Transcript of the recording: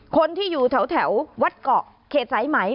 คนที่อยู่แถววัดเกาะเขตสายไหม